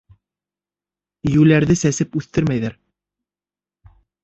Йүләрҙе сәсеп үҫтермәйҙәр.